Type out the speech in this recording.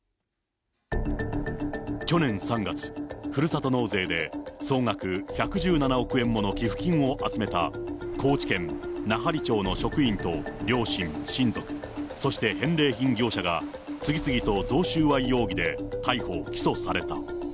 去年３月、ふるさと納税で、総額１１７億円もの寄付金を集めた、高知県奈半利町の職員と両親、親族、そして返礼品業者が次々と贈収賄容疑で逮捕・起訴された。